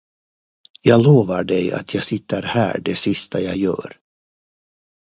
Jag lovar dig, att jag sitter här det sista jag gör.